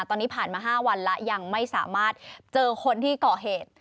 ตอนนี้ผ่านมา๕วันแล้วยังไม่สามารถเจอคนที่ก่อเหตุ